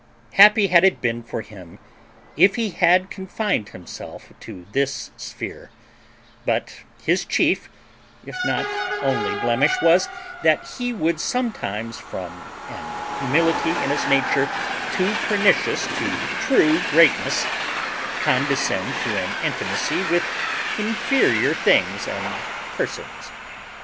Happy had it been for him if he had confined himself to this sphere; but his chief, if not only blemish, was, that he would sometimes, from an humility in his nature too pernicious to true greatness, condescend to an intimacy with inferior things and persons.